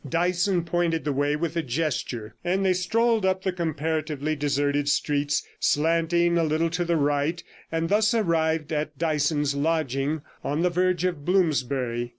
Dyson pointed the way with a gesture, and they strolled up the comparatively deserted streets, slanting a little to the right, and thus arriving at Dyson's lodging on the verge of Bloomsbury.